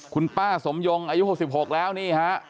คุณป้าสมยงศ์อายุ๖๖แล้วนี่ครับ